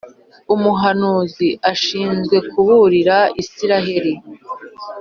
Umuhanuzi ashinzwe kuburira Israheli.